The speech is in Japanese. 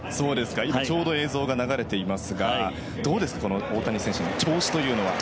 今ちょうど映像が流れていますがどうですか、大谷選手の調子というのは。